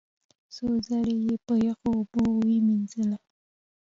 څو ځله په یخو اوبو ومینځله،